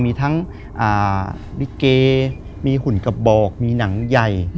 มีทั้งลิเกมีหุ่นกระบอกมีหนังใหญ่